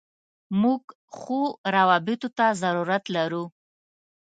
موږ ښو راوبطو ته ضرورت لرو.